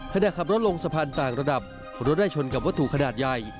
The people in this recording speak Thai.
ขณะขับรถลงสะพานต่างระดับรถได้ชนกับวัตถุขนาดใหญ่